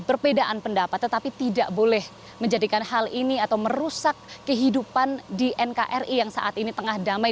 perbedaan pendapat tetapi tidak boleh menjadikan hal ini atau merusak kehidupan di nkri yang saat ini tengah damai